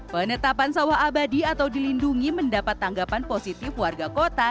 penetapan sawah abadi atau dilindungi mendapat tanggapan positif warga kota